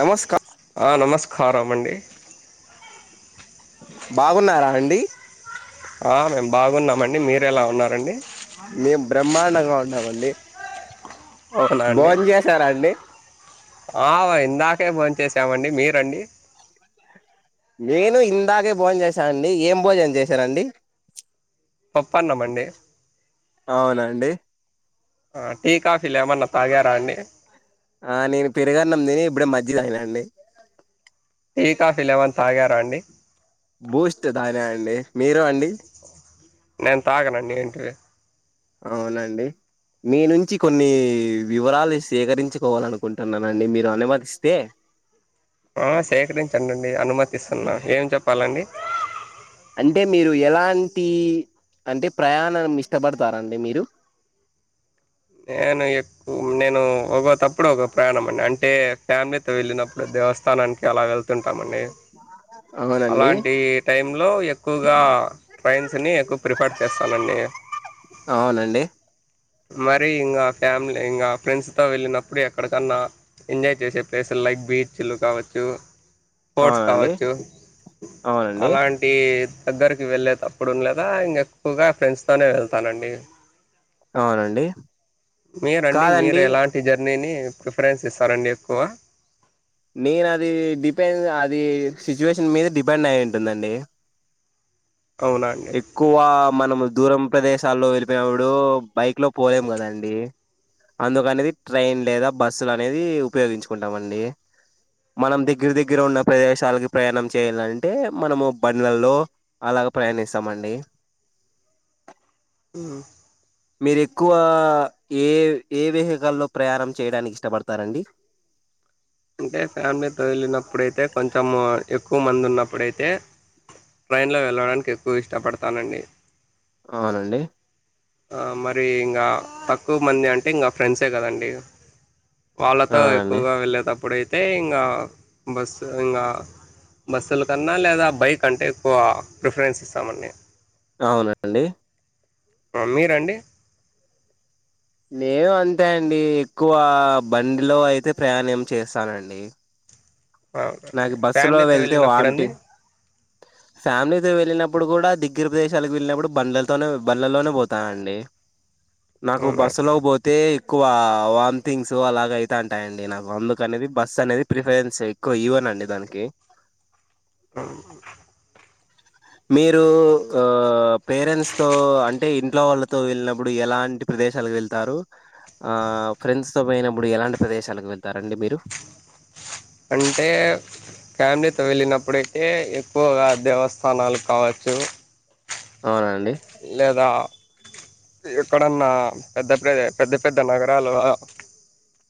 నమస్కార ఆ నమస్కాఖారంఅండి బాగున్నారా అండి [inaudible] ఆ మేము బాగున్నామండి మీరెలా ఉన్నారండి మేము బ్రహ్మాండంగ ఉన్నమండి అవునా అండి బోన్ చేసారా అండి ఆ ఇందాకే బోన్ చేసామండి మీరండి నేను ఇందాకే బోన్ చేసనండి ఏం భోజనం చేసారండి పప్పన్నమండి అవునండి టీ కాఫీ లేమన్నా తాగారా అండి ఆ నేను పెరగన్నం తిని ఇప్పుడే మజిగ దాయినాండి టీ కాఫీ లెవెన్ తాగారా అండి బూస్ట్ తాగ అండి మీరు అండి నేను తాగనండి ఏంటివి అవునండి మీ నుంచి కొన్నీ వివరాలు సేకరించుకోవాలనుకుంటున్నానండి మీరు అనుమతిస్తే ఆ సేకరించండి అనుమతిస్తున్నా ఏం చెప్పాలండి అంటే మీరు ఎలాంటి అంటే ప్రయాణం ఇష్టపడతారండి మీరు నేను ఎక్కు నేను ఒకో తప్పుడు ఒక ప్రయాణం అండి అం అంటే ఫ్యామిలీతో వెళ్ళనప్పుడు దేవస్థానానికి అలా వెల్త్ ళ్తుంటమండి అవునండి అలాంటి టైంలో ఎక్కువగా ట్రైన్స్ని ఎక్కువ ప్రిఫర్ చేస్తానండి అవునండి మరి ఇంగా ఫ్యామిలీ ఇంగా ఫ్రెండ్స్తో వెళ్ళినప్పుడు ఎక్కడికన్నా ఎంజాయ్ చేసే ప్లేసులు లైక్ బీచ్లు కావచ్చు స్పోర్ట్స్ అవునండి కావచ్చు అవునండి అలాంటీ దగ్గరికి వెళ్ళే తప్పుడు ఉండ్లేదా ఇంగ ఎక్కువగా ఫ్రెండ్స్ తోనే వెళ్తానండి అవునండి మీరండి మీరు కాదండి ఎలాంటి జర్నీని ప్రిఫరెన్స్ ఇస్తారండి ఎక్కువ నేను అది డిపెండ్ అది సిచ్యువేషన్ మీద డిపెండ్ అయి ఉంటుందండి అవునా అండి ఎక్కువ మనము దూరం ప్రదేశాల్లో వెళ్ళిపోయినప్పుడు బైక్ లో పోలేం కదండి అందుకనేది ట్రైన్ లేదా బస్సు లనేది ఉపయోగించుకుంటాం అండి మనం దగ్గర దగ్గర ఉన్న ప్రదేశాలకి ప్రయాణం చేయాలంటే మనము బండ్లల్లో అలగా ప్రయాణిస్తాం స్తమండి ఆ మీరు ఎక్కువ ఏ ఏ వెహికల్లో ప్రయాణం చేయడానికి ఇష్టపడతారండి అంటే ఫ్యామిలీతో వెళ్ళినప్పుడైతే కొంచెం ఎక్కువ మంది ఉన్నప్పుడైతే ట్రైన్లో వెళ్ళడానికి ఎక్కువ ఇష్టపడతానండి అవునండి ఆ మరి ఇంకా తక్కువ మంది అంటే ఇంకా ఫ్రెండ్సే కదండి వాళ్ళతో అవునండి ఎక్కువగా వెళ్ళేతప్పుడయిత్ అయితే ఇంగా బస్ ఇంగా బస్సుల కన్నా లేదా బైక్ అంటే ఎక్కువ ప్రిఫరెన్స్ ఇస్తామండి అవున అండి ఉ మీరండి నేను అంతే అండి ఎక్కువ బండ్లో అయితే ప్రయాణం చేస్తానండి అవునండి నాకు బస్సు లో ఫ్యామిలీతో వెళ్తే వెళ్ళినప్పుడు అండి వాంటింగ్ ఫ్యామిలీతో వెళ్ళినప్పుడు ఇప్పుడు కూడా దిగ్గర ప్రదేశాలకు వెళ్ళినప్పుడు బండ్లలతోనే బండ్లల్లోనే పోతానండి నాకు బస్సు అవునండి లో పోతే ఎక్కువ వామ్థింగ్స్ అలాగ అయితంటాయిడి నాకు అందుకు అనేది బస్ అనేది ప్రిఫరెన్స్ ఇ ఇవ్వన్ండి దానికి అ మీరు ఆ పేరెంట్స్ త అంటే ఇంట్లో వాళ్ళతో వెళ్ళినప్పుడు ఎలాంటి ప్రదేశాలకు వెళ్తారు ఆ ఫ్రెండ్స్ త పోయినప్పుడు ఎలాంటి ప్రదేశాలకు వెళ్తారండి మీరు అంటే ఫ్యామిలీతో వెళ్ళినప్పుడైతే ఎక్కువగా దేవస్థానాలు కావచ్చు అవునండి లేదా ఎక్కడన్నా పెద్ద పెద్ద పెద్ద పెద్ద నగరాలు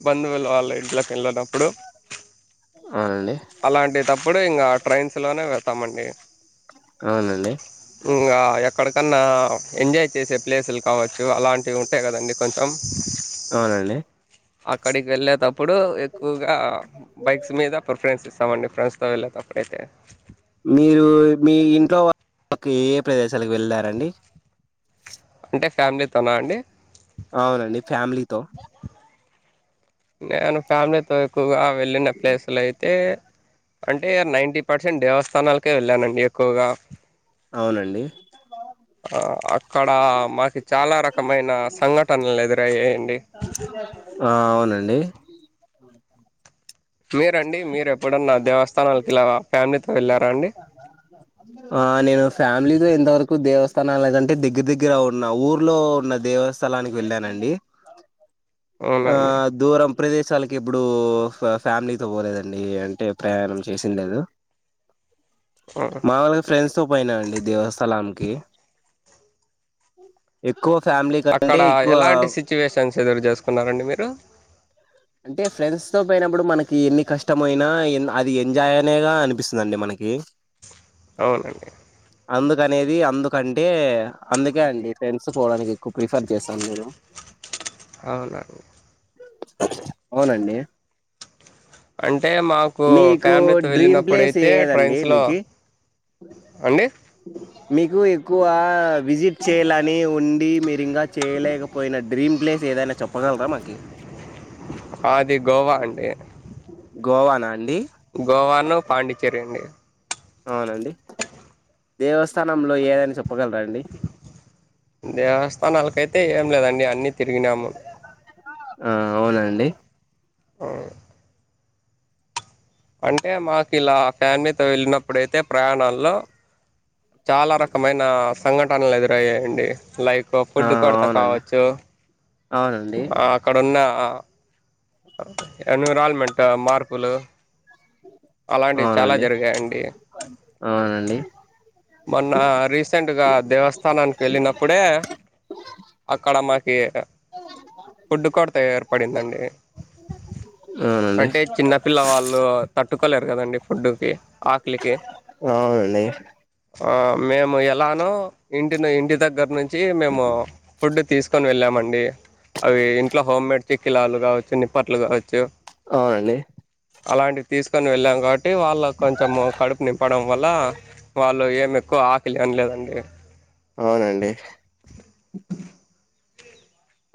బంధువులు వాళ్ళ ఇట్లోకి వెళ్ళనప్పుడు అవునండి ఇప్పుడే ఇంకా ట్రైన్స్ లోనే వెడతామండి అవునండి కన్నా ఎంజాయ్ చేసే ప్లేసులు కావచ్చు అలాంటివి ఉంటాయి కదండడి కొంచెం అవునండి అక్కడికి వెళ్ల అప్పుడు ఎక్కువగా బైక్స్ మీద ప్రిఫరెన్స్ ఇస్తుం సమండి ఫ్రెండ్స్తో వెళ్ళేటప్పుడైతే మీరు మీ ఇంట్లో వాళ్ళకు ఏ ప్రదేశాలకు వెళ్ళారండి అంటే ఫ్యామిలీతోనా అండి అవునండి ఫ్యామిలీతో నేను ఫ్యామిలీతో ఎక్కువగా వెళ్ళిన ప్లేసులు అయితే అంటే నైంటీ పర్సెంట్ దేవస్థానాలకే వెళ్ళానండి ఎక్కువగా అవునండి ఆ, అక్కడ మాకి చాలా రకమైన సంఘటనలు ఎదురయ్యాయండి అ మీరండి మీరు ఎప్పుడన్నా దేవస్థానాలకి ఇలా ఫ్యామిలీతో వెళ్ళారా అండి స్థన లేదంటే దగ్గర దగ్గర ఉన్న ఊర్లో ఉన్న దేవస్థలానికి వెళ్ళానండి ఆ అవునండి దూరం ప్రదేశాలకి ఎప్పుడు ఫ్యామిలీ అ పోలేదండి అంటే ప్రయాణం చేసి లేదు ఆ. మా వాళ్ళగా ఫ్రెండ్స్ తో పోయిన అండి దేవస్థల అనుకు ఓకే ఎ అక్కడ ఎలాంటి సిచ్యువేషన్స్ ఎదురు చేసుకున్నారండి మీరు అంటే ఫ్రెండ్స్ తో పోయినప్పుడు మనకి ఎన్ని కష్టమ అయినా ఎ అది ఎంజాయ్ అనేగా అనిపిస్తుందిండి మనకి అవునండి అందుక అనేది అందుకంటే అందుకే అండి ఫ్రెన్స్ పోవడానికి కు ప్రిఫ కేసా మీరు అవునండి అవునండి అంటే మాకు మీకు ఫ్యామిలీతో డ్రీమ్ ప్లేస్ వెళ్ళినప్పుడుయితే ఏదండి ట్రైన్స్ లో మీకి అండి మీకు ఎక్కువ విజిట్ చేయ్యాలని ఉండి మీరు ఇంకా చేయలేకపోయిన డ్రీమ్ ప్లే ఏదాన్నా చెప్పగలరా మాకి అది గోవా అండి గోవానా అండి గోవాను పాండిచ్చేరి అండి అవునండి దేవస్థానంలో ఏదనా చెప్ దేవస్థానాలకయితే ఏం లేదండి అన్ని తి రిగినాము ఆ అవునండి ఔ అంటే మాకు ఇలా ఫ్యామిలి తో వెళ్ళినప్పుడయితే ప్రయాణాల్లో చాలా రకమైన సంఘటనలు ఎదురయ్యాయండి లైక్ [inaudible] ఆ ఫుడ్ కొరత అవునండి కావచ్చు అవునండి ఆ అక్కడున్న ఆ ఎన్విరాల్మెంట్ మార్పులు అలాంటివి చాలా అవునండి జరిగాయండి అవునండి మొన్న రీసెంట్ గా దేవస్థానానికి వెళ్ళినప్పుడే అక్కడ టమా [unintelligible] [unintelligible] ఫుడ్డు కొరత ఏర్పడిందండి అవునండి అంటే చిన్నపిల్ల వాళ్ళు తట్టుకోలేరు కదండి ఫుడ్డుకి ఆకలికి అవునండి ఆ మేము ఎలానో ఇంటిని ఇంటి దగ్గర నుం చి మేము ఫుడ్ తీసుకొని వెళ్ళామండి అవి ఇంట్లో హోమ్మేడ్ చెక్కిలాలు కావచ్చు నిప్పట్లు కావచ్చు అవునండి అలాంటివి తీసుకొని వెళ్ళాం కాబ టే వాళ్ళక్కొంచెం కడుపు నింపడం వల్ల వాళ్ళు ఏం ఎక్కువ ఆకలి అనలేదండి అవునండి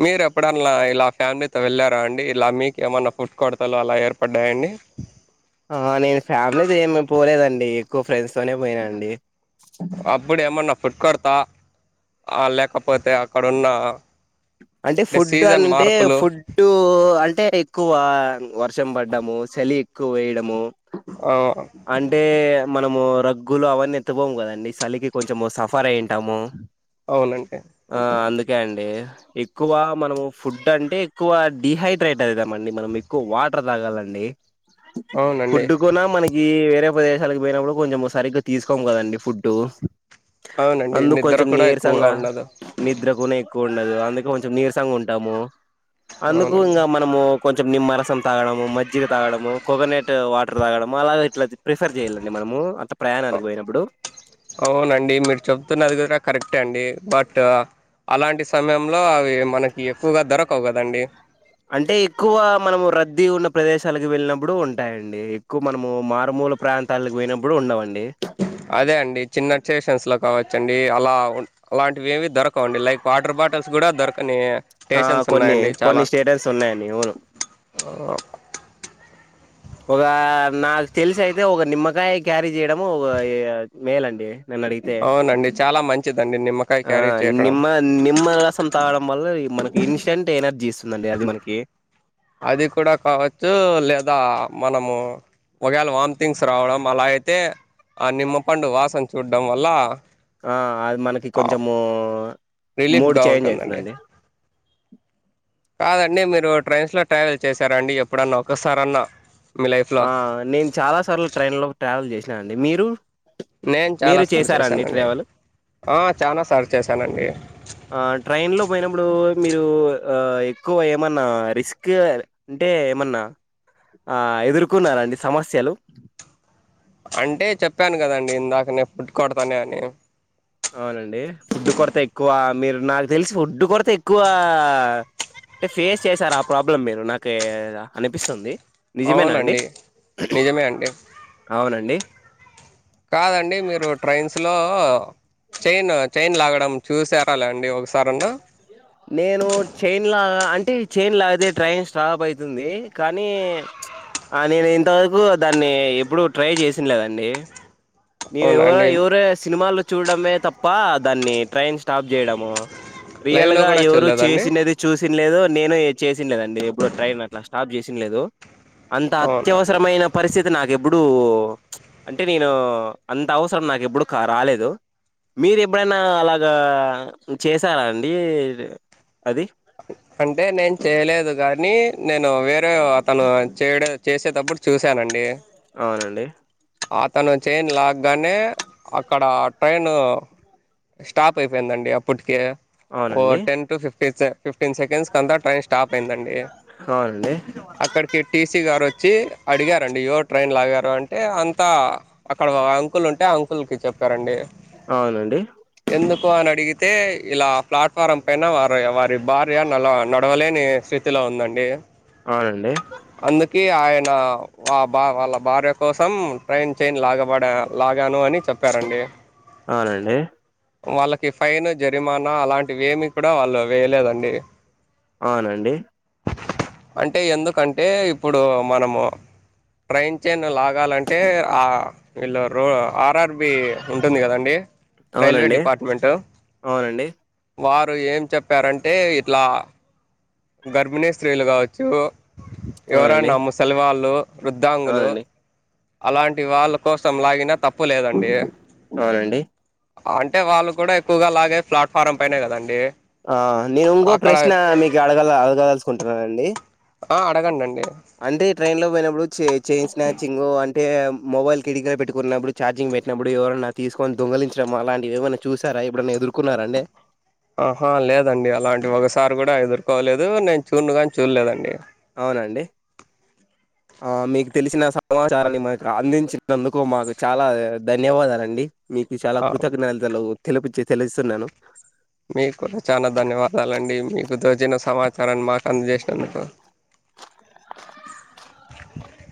మీరు ఎప్పుడన్నా ఇలా ఫ్యామిలీతో వెళ్ళారా అండి ఇలా మీకేమన్నా ఫుడ్ కొడతలు అలా ఏర్పడ్డాయాండి టే ఎక్కువ ఫ్రెండ్స్ తోనే పోయినా అండి అప్పుడేమ్మన్నా ఫుడ్కొ డతా లేకపోతే ఆక్కడున్న అంటే ఫుడ్ అనింటే ఫుడ్డు అంటే ఎక్కువ వర్షం పడ్డము చలి ఎక్కువ వేయ్యడము ఆ అంటే మనము రగ్గులు అవన్నీ ఎత్తుపోము కదండీ చలికి కొంచెం సఫర్ అయింటాము అవునండి ఆ అందుకే అండి ఇ ఎక్కువ మనము ఫుడ్ అంటే ఎక్కువ డిహైడ్రేట్ అయితంమండి. మనం ఎక్కువ వాటర్ తాగాలండి. అవునండి ఫుడ్డు కూనా మనకి వేరే ప్రదేశాలకు పోయినప్పుడు కొంచెం సరిగ్గా తీసుకోం కదండి ఫుడ్డు అవునండి అందుకు నిద్ర కొంచెం కూడా ఎక్కువగా నీరసంగా ఉండదు నిద్ కునే కూండదు అందుకే నీరసంగా ఉంటాము అందుకు అవునండి ఇంకా మనము కొం నిమ్మరసం తాగడము. మజ్జిగ తాగడము. కోకోనట్ వాటర్ తాగడము అలాగ ఇట్లా. ప్రిఫర్ చెయాలండి మనము అట్ల అ ప్రయాణాలకు పోయినప్పుడు ట్టెండి బట్ అలాంటి సమయంలో అవి మనకి ఎక్కువగా దొరకవు కదండి అంటే ఎక్కువ మనం రద్దీ ఉన్న ప్రదేశాలకు వెళ్ళినప్పుడు ఉంటాయండి. ఎక్కువ మనము మారుమూల ప్రాంతాలకు పోయినప్పుడు ఉండవండి. అదే అండి చిన్న స్టేషన్స్ లో కావచ్చండి అలా అలాంటివి ఏవి దొరకండి లైక్ వాటర్ బాటిల్స్ కూడా దొరకని ఆ స్టేషన్స్ కొన్ని ఉన్నాయండి చాలా కొన్ని స్టేటర్స్ ఉన్నాయండి వును ఒక నాకు తెలిసి అయితే ఒక నిమ్మకాయ క్యారీజ చేయడము ఇగ మేలండి నేను అడిగితే అవునండి చాలా మంచిదండి నిమ్మకాయ ఆ క్యారీ చేయడం నిమ్మ నిమ్మ రసం తాగడం వల్ల మనకి ఇన్స్టెంట్ ఎనర్జీస్ చిదండి అది మనకి అది కూడా కావచ్చు లేదా మనము ఒకేళ వామ్ థింగ్స్ రావడం అలా అయితే ఆ నిమ్మపండు వాసన చూడడం వల్ల ఆ అది మనకి కొంచెము మూడు రిలీఫ్గా చేంజ్ ఉంటుందండి అయితదండి. అంటే మీరు ట్రెయిన్స్లో ట్రావెల్ చేశారా అండి ఎప్పుడన్నా ఒకసారన్న ఆ నేను చాలా సార్లు ట్రైన్ లో ట్రావెల్ చేసిన ఇట్లా అండి మీరు నేను మీరు చాలాసార్లు చేసారా అండి చేశానండి ట్రావెల్ చాలాసార్లు చేశానండి ఆ ట్రైన్ లో పోయినప్పుడు మీరు ఆ ఎక్కువ ఏమన్నా రిస్క్ అంటే ఏమన్నా ఆ ఎదురు కున్నారా అండి సమస్యలు అంటే చెప్పాను కదండి ఇందాక నేను ఫుడ్ కొడతానే అని అవునండి ఫుడ్ కొరత ఎక్కువ మీరు నాకు తెలిసి ఫుడ్ కొరత ఎక్కువ అంటే ఫేస్ చేసారు. ఆ ప్రాబ్లం మీరు నాకి అనిపిస్తుంది. నిజమేనా అండి అవునండి నిజమే అండి అవునండి కాదండి మీరు ట్రైన్స్లో చైన్ చైన్ లాగడం చూసారా అలా అండి ఒకసారి అన్న నేను చైన్ లా అంటే చైన్ లా ట్రైన్ స్టాప్ అయ్యింది కానీ నేను ఇంతవరకు దాన్ని ఎప్పుడు ట్రై చేసింది లేదండి అవునా అండి [unintelligible] ఎవరే సినిమాల్లో వచ్చ చూడడమే తప్ప దాన్ని ట్రైన్ స్టాప్ చేయడము రియల్ లైవ్లో గా కూడా ఎవరు చూడలేదండి చేసినది చూసి నలేదు నేను చేసింది లేదు ఎప్పుడు ట్రైన్ అట్లా స్టాప్ చేసింది లేదు అంత అవునండి అత్యవసరమైన పరిస్థితి నాకేప్ ఇప్పుడు అంటే నేను అంత అవసరం నాకు ఎప్పుడు కా రాలేదు మీరు ఎప్పుడైనా అలాగా చేసారా అండి అది అంటే నేను చేయలేదు కానీ నేను వేరే అతను చేయడ చేసేటప్పుడు చూసానండి అవునండి అతను చైన్ లాగగానే అక్కడ ట్రైన్ స్టాప్ అయిపోయిందండి అప్పటికే ఓ అవునండి ten two fifteens fifteen seconds అంత ట్రైన్ స్టాప్ అయిందండి అవునండి అక్కడికి టీసీ గారు వ వచ్చి అడిగారండి ఎవరు ట్రైన్ లాగారు అంటే అం త్త అక్కడ ఓ అంకుల్ ఉంటే ఆ అంకుల్ కి చెప్పారండి అవునండి ఎందుకు అనీ అడిగి అయితే ఇలా ప్లాట్ఫారం పైన వారు వారి భార్య నలవ నడవలేని స్థితిలో ఉందండి అవునండి కి ఆయన వ బా వాళ్ళ భార్య కోసం ట్రైన్ చైన్ లాగబడా లాగాను అని చెప్పారండి అవునండి వాళ్ళకి ఫైన్ జరిమానా అలాంటివి ఏమి కూడా వాళ్ళు వేయలేదండి అవునండి అంటే ఎందుకంటే ఇప్పుడు మనము ట్రైన్ చైన్ లాగాలం ఆ ఇల్లు రో ఆర్ఆర్బి ఉంటుంది కదండి రైల్వే అవునండి డిపార్ట్మెంట్ వా ఏం చెప్పారంటే ఇట్లా గర్భిణీ స్త్రీలు కావచ్చు అవునండి ఎవరన్నా ముసలి వాళ్ళు వృద్ధాంగులు అవునండి అలాంటి వాళ్ళ కోసం లాగిన తప్ప తప్పు లేదండి అవునండి అంటే వాళ్ళు కూడా ఎక్కువగా లాగే ప్లాట్ ఫారం పైనే కదాండి ఆ నినుంగో ప్రశ్న మీకీ అడగలా గయల్సుకుంటున్నానండి ఆ అడగండి అండి అంటే ట్రైన్ లో పోయినప్పుడు చైన్స్ మ్యాచ్చింగు అంటే మొబైల్ కిటికీ పెట్టుకున్నప్పుడు ఛార్జింగ్ పెట్టినప్పుడు ఎవరన్నా తీసుకొని దొంగలించడం అలాంటివి ఏమైనా చూసారా ఇప్పుడన్న ఎదుర్కున్నారా అండి ఆహా లేదండి అలాంటి ఒకసారి కూడా ఎదుర్కోలేదు నేను చూనుగాని చూడలేదండి అవునండి మీకు తెలిసిన సమాచారాన్ని మాకు అందించినందుకు మాకు చాలా ధన్యవాదాలండి మీకు చాలా ఆ కృతజ్ఞతలు తెలిపుచ్చి తెలిస్తున్నాను మీకు కూడా చనా ధన్యవాదాలు అండి మీకు దోచిన సమాచారాన్ని మాకు అందజేసినందుకు